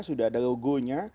sudah ada logonya